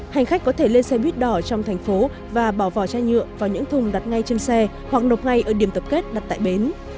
hành khách có thể lên xe buýt đỏ trong thành phố và bỏ vỏ chai nhựa vào những thùng đặt ngay trên xe hoặc nộp ngay ở điểm tập kết đặt tại bến